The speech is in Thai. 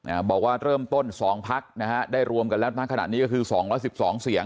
อ่าบอกว่าเริ่มต้นสองพักนะฮะได้รวมกันแล้วทั้งขณะนี้ก็คือสองร้อยสิบสองเสียง